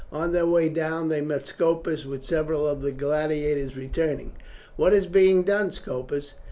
On their way down they met Scopus with several of the gladiators returning. "What is being done, Scopus?"